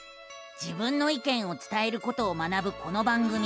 自分の意見を伝えることを学ぶこの番組。